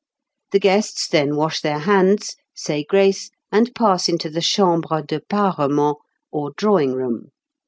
The guests then wash their hands, say grace, and pass into the chambre de parement or drawing room.